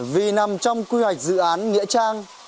vì nằm trong quy hoạch dự án nghĩa trang